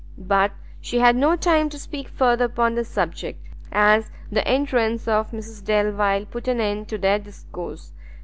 But she had no time to speak further upon the subject, as the entrance of Mrs Delvile put an end to their discourse.